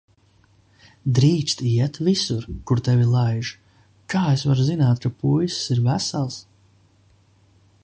Drīkst iet visur, kur tevi laiž. Kā es varu zināt, ka puisis ir vesels?